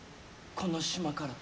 この島から。